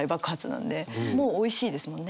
なんでもうおいしいですもんね。